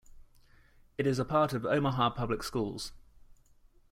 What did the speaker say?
It is a part of Omaha Public Schools.